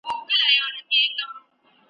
زرکي وویل پر ما باندي قیامت وو ,